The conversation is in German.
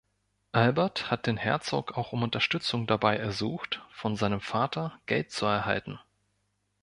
Albert hat den Herzog auch um Unterstützung dabei ersucht, von seinem Vater Geld zu erhalten.